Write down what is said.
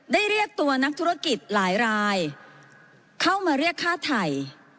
เรียกตัวนักธุรกิจหลายรายเข้ามาเรียกฆ่าไทย